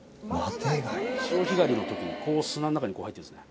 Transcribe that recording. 潮干狩りのときにこう砂の中に入ってるんですね